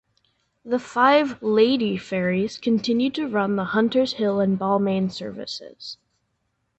The five "Lady" ferries continued to run the Hunters Hill and Balmain services.